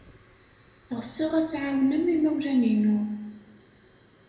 Ɣseɣ ad tɛawnem imawlan-inu.